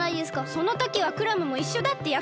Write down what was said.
そのときはクラムもいっしょだってやくそくしたじゃん！